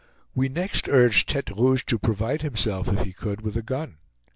We next urged Tete Rouge to provide himself, if he could, with a gun.